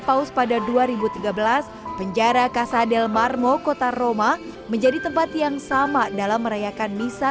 paus pada dua ribu tiga belas penjara casadel marmo kota roma menjadi tempat yang sama dalam merayakan misa